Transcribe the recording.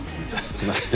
すいません